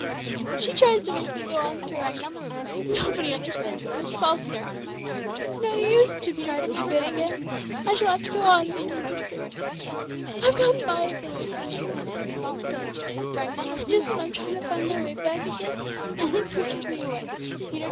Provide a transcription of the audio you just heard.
She tries to make me go on for ever. Nobody understands but Miss Falkner. It's no use to try to be good again. I shall have to go on being in disgrace. I've gone miles away from my path to the Golden City to day, and just when I'm trying to find my way back again, Annie pushes me away.